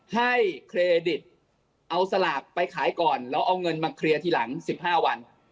เครดิตเอาสลากไปขายก่อนแล้วเอาเงินมาเคลียร์ทีหลัง๑๕วัน